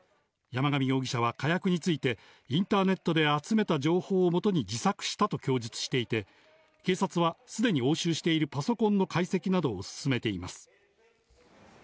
山上容疑者は火薬について、インターネットで集めた情報をもとに自作したと供述していて、警察はすでに押収しているパソコンの解析などを進めています。